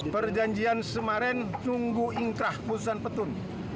perjanjian semaren tunggu ingkrah putusan ptun